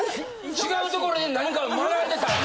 違うところで何かを学んでたんや。